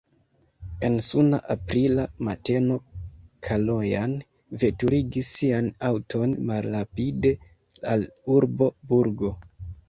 En suna aprila mateno Kalojan veturigis sian aŭton malrapide al urbo Burgo.